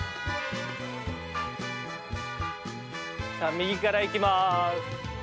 右からいきます。